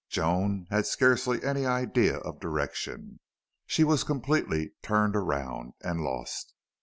Joan had scarcely any idea of direction. She was completely turned around and lost.